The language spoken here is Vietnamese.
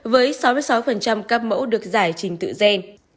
với sáu mươi sáu ca mẫu được giải trình tự ghen